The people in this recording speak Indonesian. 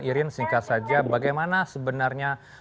irin singkat saja bagaimana sebenarnya